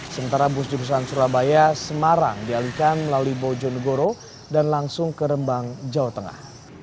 sementara bus jurusan surabaya semarang dialihkan melalui bojonegoro dan langsung ke rembang jawa tengah